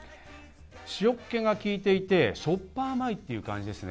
塩っ気が利いていて、しょっぱ甘いっていう感じですね。